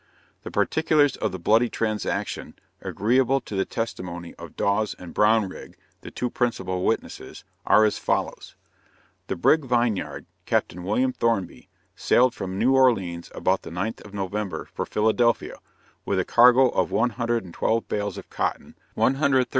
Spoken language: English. The particulars of the bloody transaction (agreeable to the testimony of Dawes and Brownrigg, the two principal witnesses,) are as follows: The brig Vineyard, Capt. William Thornby, sailed from New Orleans about the 9th of November, for Philadelphia, with a cargo of 112 bales of cotton, 113 hhds.